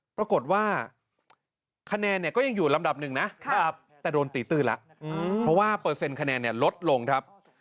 ปรากฏว่าคะแนนเนี่ยก็ยังอยู่ลำดับหนึ่งนะแต่โดนตีตื้นแล้วเพราะว่าเปอร์เซ็นคะแนนลดลงครับ